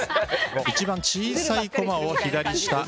一番小さいコマを左下。